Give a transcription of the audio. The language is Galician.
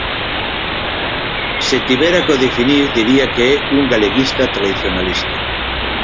Se tivera que o definir diría que é un galeguista tradicionalista.